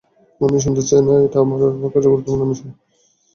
আমি শুনতে চাই না, এটা আমার কাছে গুরুত্বপূর্ণ, মিশেল।